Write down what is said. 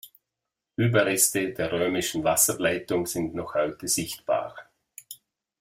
Überreste der römischen Wasserleitung sind noch heute sichtbar.